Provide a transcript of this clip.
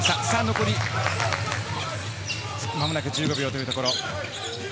残り間もなく１５秒というところ。